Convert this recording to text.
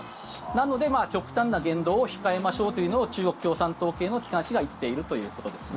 なので、極端な言動を控えましょうというのを中国共産党系の機関紙が言っているということですね。